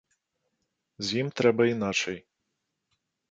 З ім трэба іначай.